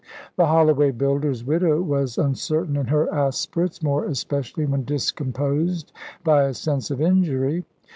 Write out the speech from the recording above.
The Holloway builder's widow was uncertain in her aspirates, more especially when discomposed by a sense of injury.